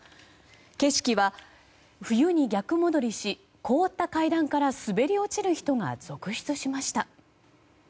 景色は冬に逆戻りし凍った階段から滑り落ちる人が続出しました。